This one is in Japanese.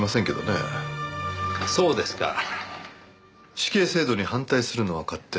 死刑制度に反対するのは勝手。